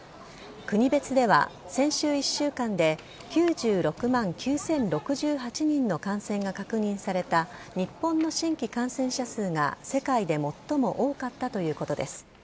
国別では先週１週間で９６万９０６８人の感染が確認された日本の新規感染者数が世界で最も多かったということです。